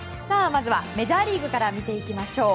まずはメジャーリーグから見ていきましょう。